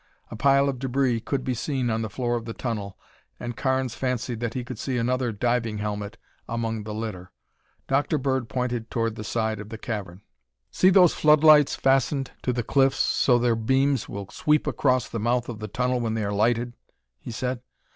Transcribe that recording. A pile of debris could be seen on the floor of the tunnel and Carnes fancied that he could see another diving helmet among the litter. Dr. Bird pointed toward the side of the cavern. "See those floodlights fastened to the cliff so that their beams will sweep across the mouth of the tunnel when they are lighted?" he said.